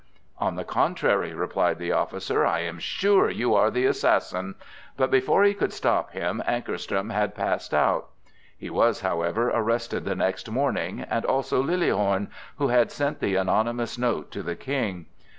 "On the contrary," replied the officer, "I am sure you are the assassin!" but before he could stop him, Ankarström had passed out. He was, however, arrested the next morning, and also Liliehorn, who had sent the anonymous note to the King.